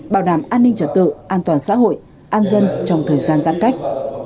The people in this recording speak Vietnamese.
bảo đảm an ninh trật tự an toàn xã hội an dân trong thời gian giãn cách